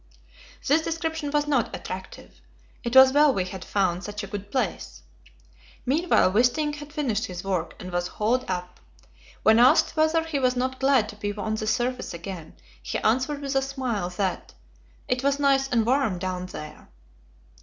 This description was not attractive; it was well we had found "such a good place." Meanwhile Wisting had finished his work, and was hauled up. When asked whether he was not glad to be on the surface again, he answered with a smile that "it was nice and warm down there."